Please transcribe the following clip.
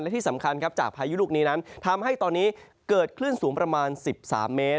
และที่สำคัญครับจากพายุลูกนี้นั้นทำให้ตอนนี้เกิดคลื่นสูงประมาณ๑๓เมตร